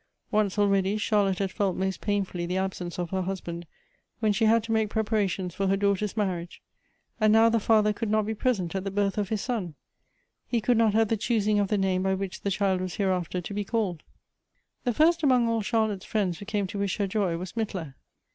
Once already Charlotte liad felt most painfully the absence of her husband, when she had to make preparations for her daughter's marriage. And now the father could not be present at the birth of his son. He could not h.ave the choosing of the name by which the child was hereafter to be called. The first among all Charlotte's friends who came to wish her joy was Mittler.